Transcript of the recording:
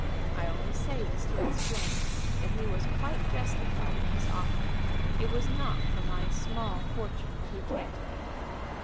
I only say this to explain that he was quite justified in his offer. It was not for my small fortune that he came to me."